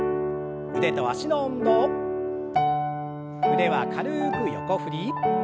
腕は軽く横振り。